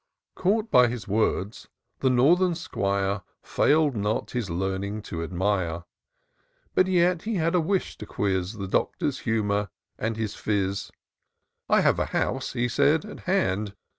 Caught by his words, the northern 'Squire Fail'd not his learning to admire : But yet he had a wish to quiz The Doctor's humour, and his phiz. " I have a house," he said, " at hand.